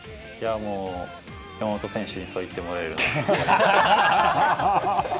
山本選手にそう言ってもらえると。